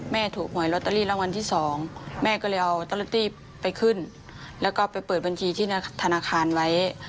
แม่ก็เลยเอาตัวละตี้ไปขึ้นแล้วก็ไปเปิดบัญชีที่ทางธนาคารไว้